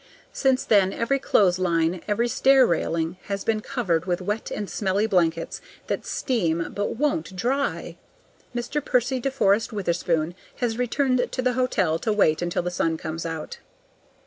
Since then every clothesline, every stair railing has been covered with wet and smelly blankets that steam, but won't dry. Mr. Percy de Forest Witherspoon has returned to the hotel to wait until the sun comes out.